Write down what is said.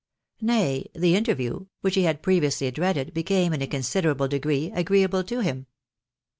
Nay, the interview, which he had previously dreaded, became, in a considerable degree, agreeable to him.